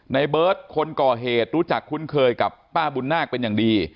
ในเบิร์ตคนก่อเหตุรู้จักคุ้นเคยกับป้าบุญนาคเป็นอย่างดี